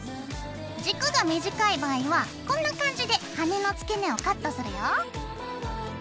軸が短い場合はこんな感じで羽根の付け根をカットするよ。